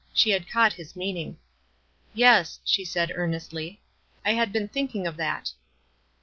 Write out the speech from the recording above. She had caught his meaning. "Yes," she said, earnestly ; "I had been think ing of that."